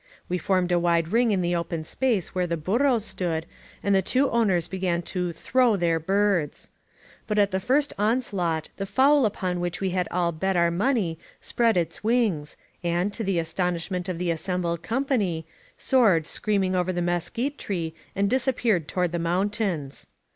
We formed a wide ring in the open space where the burros stood, and the two owners began to "throw" their birds. But at the first onslaught the fowl upon which we had all bet our money spread its wings, and, to the astonishment of the assembled company, soared screaming over the mesquite tree and disappeared toward the mountains.